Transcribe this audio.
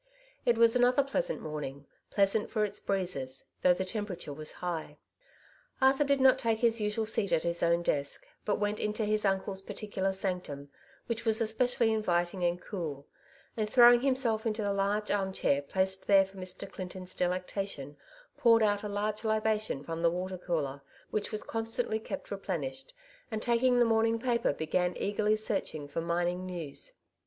It was another pleasant morning, pleasant for its breezes, though the temperature was high. Arthur did not take his usual seat at his own desk, but went into his uncle's particular sanctum, which was especially inviting and cool ; and throwing himself into the large armchair placed there for Mr. Clin ton's delectation, poured out a large libation from the water cooler, which was constantly kept re plenished, and taking the morning paper began eagerly searching for mining news.